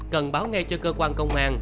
cần báo ngay cho cơ quan công an